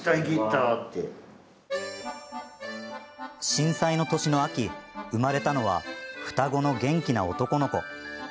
震災の年の秋、生まれたのは双子の元気な男の子。